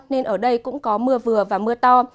nên ở đây cũng có mưa vừa và mưa to